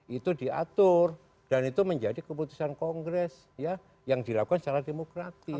itu diatur dan itu menjadi keputusan kongres yang dilakukan secara demokratis